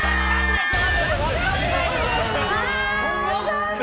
残念！